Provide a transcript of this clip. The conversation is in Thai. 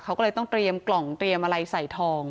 เขาก็เลยต้องเตรียมกล่องเตรียมอะไรใส่ทอง